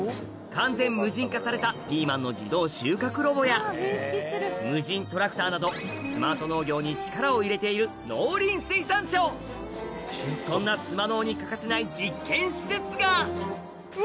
完全無人化されたピーマンの自動収穫ロボや無人トラクターなどスマート農業に力を入れている農林水産省そんなうわ。